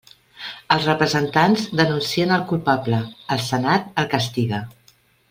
Els representants denuncien el culpable, el Senat el castiga.